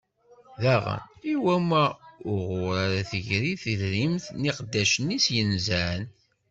Daɣen, i wanwa uɣur ara d-teggri tedrimt n yiqeddicen-is yenzan?